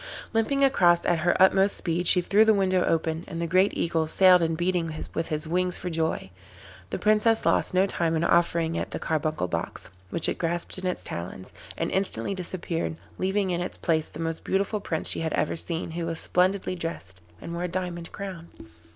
Limping across at her utmost speed she threw the window open, and the great Eagle sailed in beating with his wings for joy. The Princess lost no time in offering it the carbuncle box, which it grasped in its talons, and instantly disappeared, leaving in its place the most beautiful Prince she had ever seen, who was splendidly dressed, and wore a diamond crown.